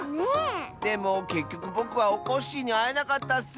でもけっきょくぼくはおこっしぃにあえなかったッス！